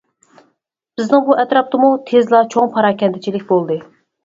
بىزنىڭ بۇ ئەتراپتىمۇ تېزلا چوڭ پاراكەندىچىلىك بولدى.